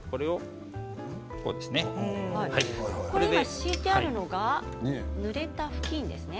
敷いてあるのはぬれた布巾ですね。